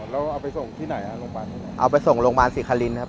อ๋อแล้วเอาไปส่งที่ไหนฮะโรงพยาบาลที่ไหนเอาไปส่งโรงพยาบาลศิษย์คลินครับ